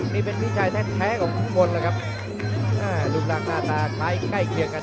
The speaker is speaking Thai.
นี่เป็นพี่ชายแท่ของทุกคนนะครับลูกร่างหน้าตอนใกล้ใกล้เคียงกัน